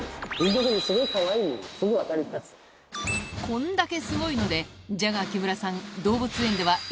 こんだけすごいのでジャガー木村さん